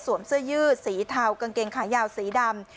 เสื้อยืดสีเทากางเกงขายาวสีดำ